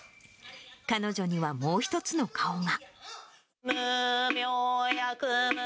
彼女にはもう一つの顔が。